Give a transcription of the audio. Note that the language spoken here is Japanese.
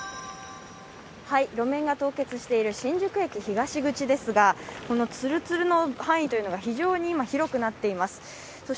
路面が凍結している新宿駅東口ですがこのつるつるの範囲というのが非常に今、広くなってきています。